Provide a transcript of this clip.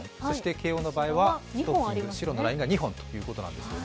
慶応の場合は白のラインが２本ということです。